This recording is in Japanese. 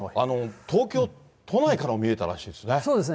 東京都内からも見えたらしいですね。